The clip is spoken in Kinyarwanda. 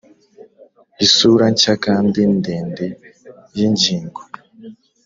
isura nshya kandi ndende yingingo.